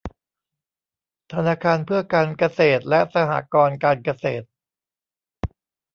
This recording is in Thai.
ธนาคารเพื่อการเกษตรและสหกรณ์การเกษตร